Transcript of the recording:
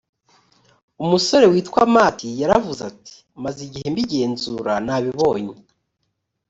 umusore witwa matt yaravuze ati maze igihe mbigenzura nabibonye